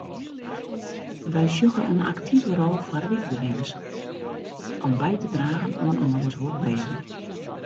Wy sjogge in aktive rol foar wykbewenners om by te dragen oan inoars wolwêzen.